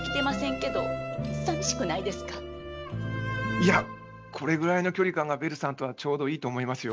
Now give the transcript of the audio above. いやこれぐらいの距離感がベルさんとはちょうどいいと思いますよ。